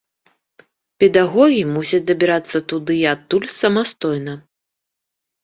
Педагогі мусяць дабірацца туды і адтуль самастойна.